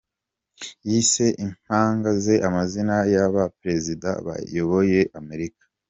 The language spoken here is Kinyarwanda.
Yise impanga ze amazina yabaperezida bayoboye america